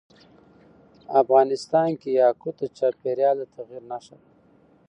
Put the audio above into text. افغانستان کې یاقوت د چاپېریال د تغیر نښه ده.